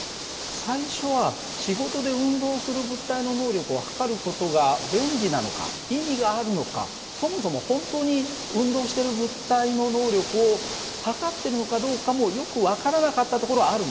最初は仕事で運動する物体の能力を測る事が便利なのか意味があるのかそもそも本当に運動してる物体の能力を測ってるのかどうかもよく分からなかったところはあるんだ。